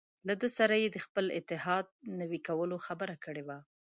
له ده سره یې د خپل اتحاد نوي کولو خبره کړې وه.